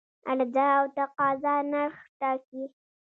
عرضه او تقاضا نرخ ټاکي